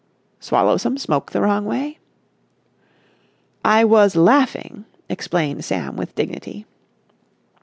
"Swallow some smoke the wrong way?" "I was laughing," explained Sam with dignity.